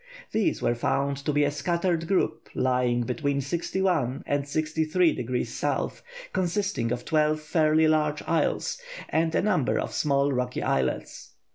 These were found to be a scattered group lying between 61° and 63° S., consisting of twelve fairly large isles, and a number of small rocky islets.